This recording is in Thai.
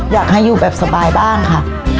อยากให้อยู่แบบสบายบ้างค่ะ